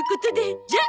じゃあ！